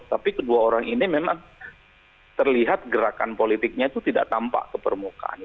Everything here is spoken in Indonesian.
tapi kedua orang ini memang terlihat gerakan politiknya itu tidak tampak ke permukaan